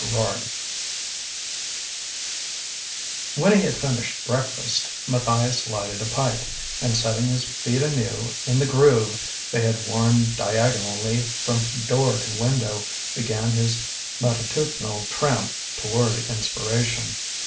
XXVII When he had finished breakfast, Matthias lighted a pipe, and setting his feet anew in the groove they had worn diagonally from door to window, began his matutinal tramp toward inspiration.